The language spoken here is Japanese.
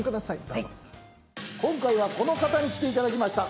どうぞ今回はこの方に来ていただきました